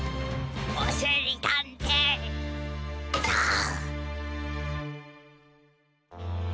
おしりたんていさん。